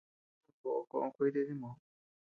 Un boʼo koʼö kuete dimoo.